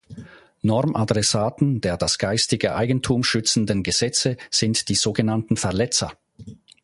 Normadressaten der das geistige Eigentum schützenden Gesetze sind die so genannten Verletzer.